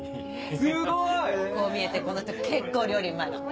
すごい！こう見えてこの人結構料理うまいの。え！